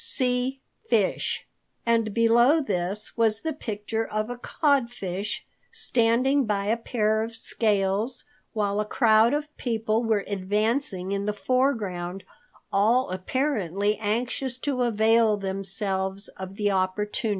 C. FISH. and below this was the picture of a Codfish standing by a pair of scales, while a crowd of people were advancing in the foreground, all apparently anxious to avail themselves of the opportunity.